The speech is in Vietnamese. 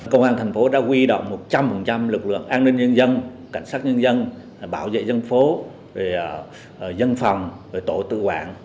công an thành phố đã quy động một trăm linh lực lượng an ninh nhân dân cảnh sát nhân dân bảo vệ dân phố dân phòng tổ tự quản